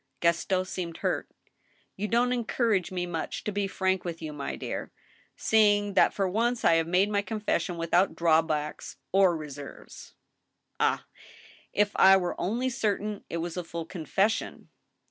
Gaston seemed hurt " You don't encourage me much to be frank with you, my dear, seeing that for once I have made my confession without drawbacks or reserves." "Ah I if I were only certain it was a full confession